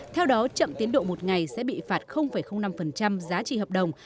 theo đó chậm tiến độ một ngày sẽ bị phạt năm giá trị hợp đồng